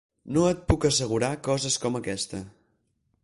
No et puc assegurar coses com aquesta.